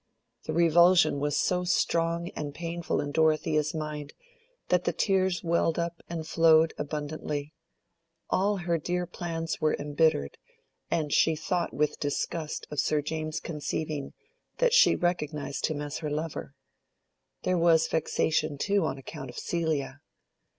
The revulsion was so strong and painful in Dorothea's mind that the tears welled up and flowed abundantly. All her dear plans were embittered, and she thought with disgust of Sir James's conceiving that she recognized him as her lover. There was vexation too on account of Celia.